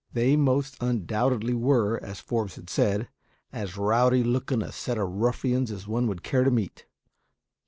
They most undoubtedly were, as Forbes had said, as rowdy looking a set of ruffians as one would care to meet.